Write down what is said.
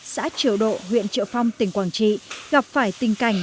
xã triệu độ huyện triệu phong tỉnh quảng trị gặp phải tình cảnh